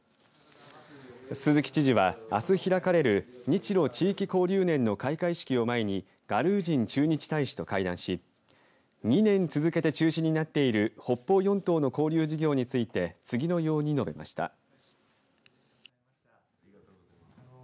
鈴木知事はあす開かれる日ロ地域交流年の開会式を前にガルージン駐日大使と会談し２年続けて中止になっている北方四島の交流事業について次のように述べました。